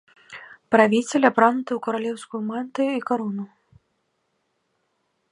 Правіцель апрануты ў каралеўскую мантыю і карону.